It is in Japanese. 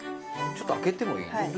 ちょっと開けてもいいですか？